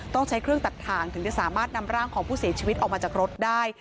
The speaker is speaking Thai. ต้องใช้เครื่องตัดถ่างถึงจะสามารถนำร่างของผู้เสียชีวิตออกมาจากรถได้